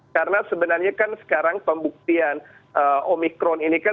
karena sebenarnya kan sekarang pembuktian omikron ini kan